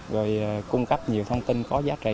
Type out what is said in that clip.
rồi cung cấp nhiều thông tin có giá trị